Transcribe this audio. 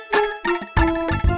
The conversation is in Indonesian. kerja di pabrik